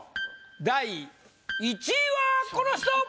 第１位はこの人！